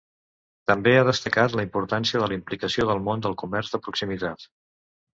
També ha destacat la importància de la implicació del món del comerç de proximitat.